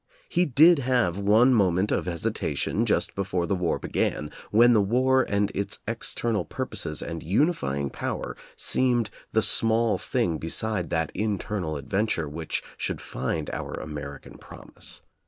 He did have one moment of hesitation just before the war began, when the war and its external purposes and unifying power seemed the small thing beside that internal ad venture which should find our American promise.